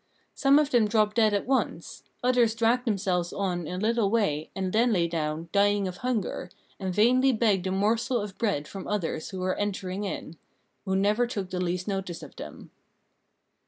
Some of them dropped dead at once; others dragged themselves on a little way and then lay down, dying of hunger, and vainly begged a morsel of bread from others who were entering in who never took the least notice of them.